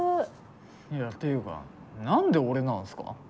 いやっていうか何で俺なんすか？